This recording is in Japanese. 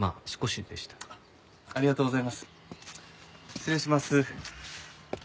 失礼します。